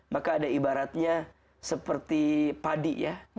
maka ada ibaratnya seperti padi ya